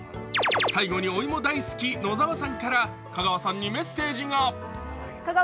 最後に、お芋大好き野澤さんから香川さんにメッセージが。